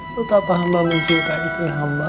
betapa hamba mencinta istri hamba